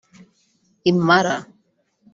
Imara